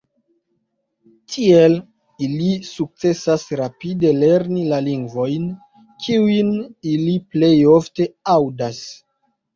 Tiel ili sukcesas rapide lerni la lingvojn, kiujn ili plej ofte aŭdas.